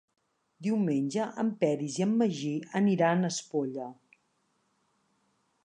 Diumenge en Peris i en Magí aniran a Espolla.